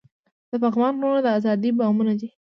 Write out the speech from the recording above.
د پغمان غرونه د ازادۍ بامونه دي.